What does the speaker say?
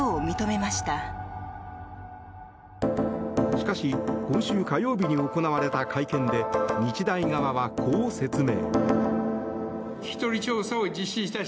しかし今週火曜日に行われた会見で日大側は、こう説明。